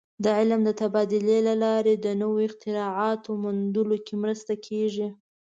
د علم د تبادلې له لارې د نوو اختراعاتو موندلو کې مرسته کېږي.